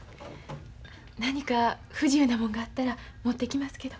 何か不自由なもんがあったら持ってきますけど。